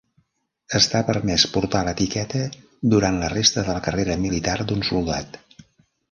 Està permès portar l'etiqueta durant la resta de la carrera militar d'un soldat.